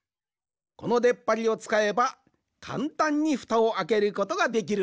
このでっぱりをつかえばかんたんにふたをあけることができるんじゃ。